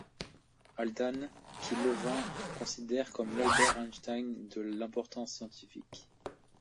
Haldane, qui Levins considère comme l'Albert Einstein de l'importance scientifique.